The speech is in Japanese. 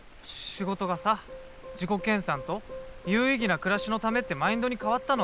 仕事がさ自己研さんと有意義な暮らしのためってマインドに変わったのはさ。